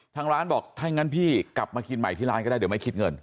ทางร้านบอกถ้างั้นพี่กลับมากินใหม่ที่ร้านก็ได้เดี๋ยวไม่คิดเงิน